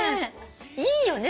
いいよね。